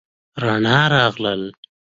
رڼا راغله